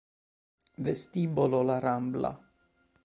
Vestibolo La Rambla